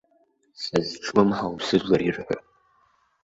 Сазҿлымҳауп сыжәлар ирҳәо.